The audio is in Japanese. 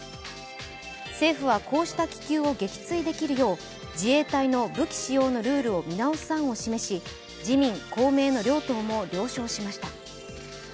政府は、こうした気球を撃墜できるよう自衛隊の武器使用のルールを見直す案を示し自民・公明の両党も了承しました。